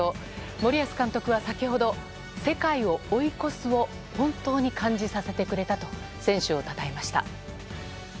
森保監督は先ほど世界を追い越すを本当に感じさせてくれたと選手をたたえました。